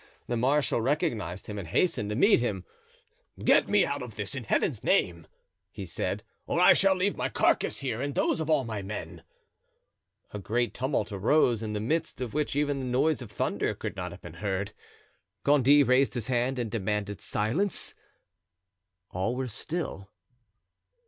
The marshal recognized him and hastened to meet him. "Get me out of this, in Heaven's name!" he said, "or I shall leave my carcass here and those of all my men." A great tumult arose, in the midst of which even the noise of thunder could not have been heard. Gondy raised his hand and demanded silence. All were still.